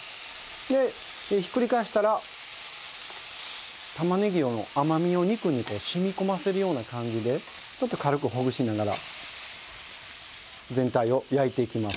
でひっくり返したら玉ねぎの甘みを肉にこう染み込ませるような感じでちょっと軽くほぐしながら全体を焼いていきます。